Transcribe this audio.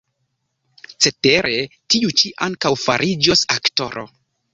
Cetere, tiu ĉi ankaŭ fariĝos aktoro.